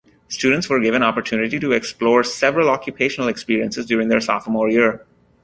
Students were given opportunity to explore several occupational experiences during their Sophomore year.